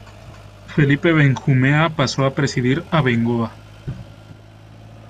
Felipe Benjumea pasó a presidir Abengoa.